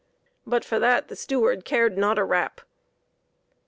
But for that the steward cared not a rap.